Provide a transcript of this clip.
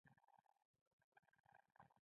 هغه واړه واړه طالبان وو چې کوڅه کې روان وو.